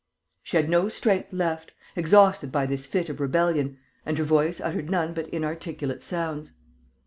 She had no strength left, exhausted by this fit of rebellion; and her voice uttered none but inarticulate sounds.